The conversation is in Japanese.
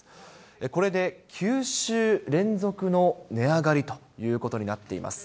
これで９週連続の値上がりということになっています。